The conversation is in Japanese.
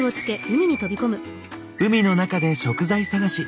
海の中で食材探し。